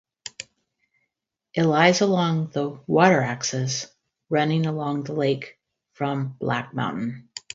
It lies along the 'water axis' running along the lake from Black Mountain.